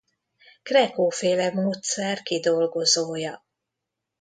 Krekó-féle módszer kidolgozója.